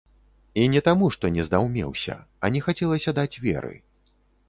І не таму, што не здаўмеўся, а не хацелася даць веры.